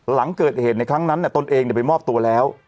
หลังเกิดเหตุในครั้งนั้นตนเองไปมอบตัวแล้ว